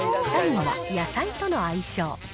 最後は、野菜との相性。